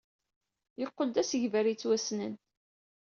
Yeqqel d asegbar yettwassnen.